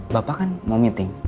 bapak kan mau meeting